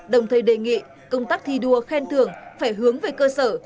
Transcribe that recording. đồng thời đề nghị công tác thi đua khen thưởng phải hướng về cơ sở